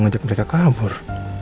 ngajak mereka kabur